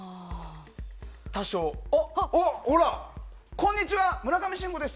こんにちは、村上信五です。